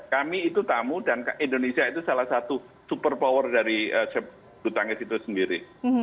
kami itu tamu dan indonesia itu salah satu super power dari butangis itu sendiri